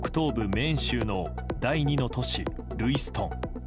メーン州の第２の都市ルイストン。